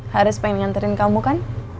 haris pengen nganterin kamu kan